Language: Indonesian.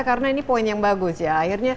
karena ini poin yang bagus ya